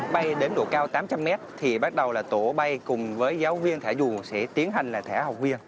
bay đến độ cao tám trăm linh mét thì bắt đầu là tổ bay cùng với giáo viên thả dù sẽ tiến hành là thẻ học viên